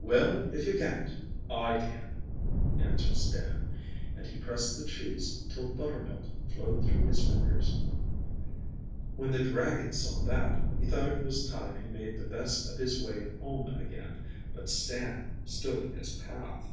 'Well, if you can't, I can,' answered Stan, and he pressed the cheese till buttermilk flowed through his fingers. When the dragon saw that, he thought it was time he made the best of his way home again, but Stan stood in his path.